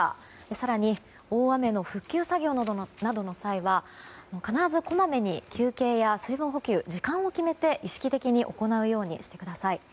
更に大雨の復旧作業などの際は必ずこまめに休憩や水分補給を時間を決めて、意識的に行うようにしてください。